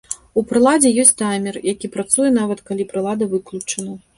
У прыладзе ёсць таймер, які працуе, нават калі прылада выключана.